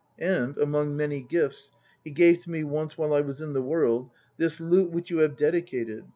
And, among many gifts, he gave to me once while I was in the World this lute which you have dedicated.